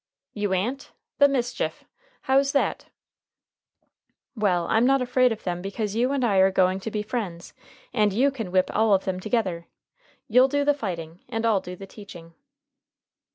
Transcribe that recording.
"You a'n't! The mischief! How's that?" "Well, I'm not afraid of them because you and I are going to be friends, and you can whip all of them together. You'll do the fighting and I'll do the teaching."